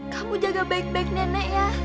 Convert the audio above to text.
kamu jaga baik baik nenek ya